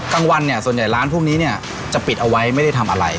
กลางวันเนี่ยส่วนใหญ่ร้านพวกนี้เนี่ยจะปิดเอาไว้ไม่ได้ทำอะไร